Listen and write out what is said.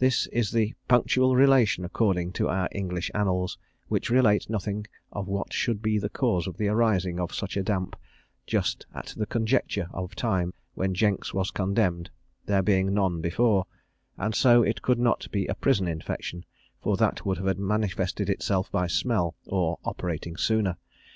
This is the punctual relation according to our English annals, which relate nothing of what should be the cause of the arising of such a damp just at the conjuncture of time when Jenkes was condemned, there being none before, and so it could not be a prison infection; for that would have manifested itself by smell, or operating sooner.